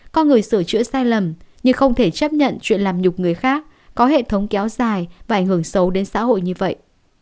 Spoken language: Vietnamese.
coi người sửa chữa sai lầm nhưng không thể chấp nhận chuyện làm nhục người khác có hệ thống kéo dài và ảnh hưởng xấu đến xã hội như vậy